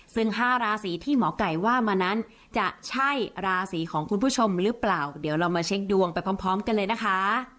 ซึ่ง๕ราศีที่หมอไก่ว่ามานั้นจะใช่ราศีของคุณผู้ชมหรือเปล่าเดี๋ยวเรามาเช็คดวงไปพร้อมพร้อมกันเลยนะคะ